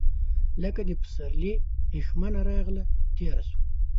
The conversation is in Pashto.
لکه د پسرلي هیښمه راغله، تیره سوه